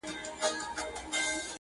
په هر کلي کي یې یو جومات آباد کړ،